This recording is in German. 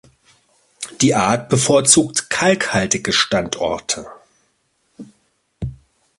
Die Art bevorzugt kalkhaltige Standorte.